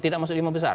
tidak masuk lima besar